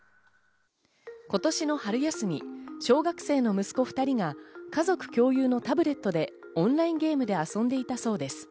今年の春休み、小学生の息子２人が家族共有のタブレットでオンラインゲームで遊んでいたそうです。